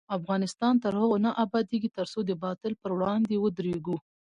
افغانستان تر هغو نه ابادیږي، ترڅو د باطل پر وړاندې ودریږو.